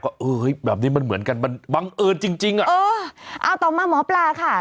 ก็เออเฮ้ยแบบนี้มันเหมือนกันมันบังเอิญจริงจริงอ่ะเออเอาต่อมาหมอปลาค่ะ